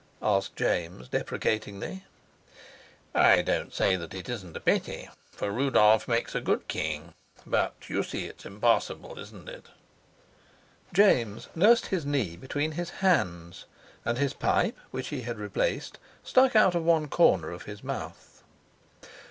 asked James deprecatingly. "I don't say that it isn't a pity, for Rudolf makes a good king. But you see it's impossible, isn't it?" James nursed his knee between his hands, and his pipe, which he had replaced, stuck out of one corner of his mouth.